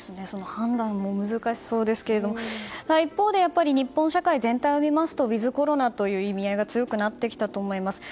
判断も難しそうですけど一方で日本社会全体を見ますとウィズコロナという意味合いが強くなってきたと思います。